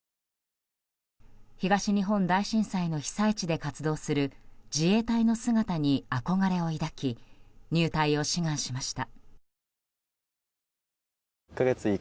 東日本大震災の被災地で活動する自衛隊の姿に憧れを抱き入隊を志願しました。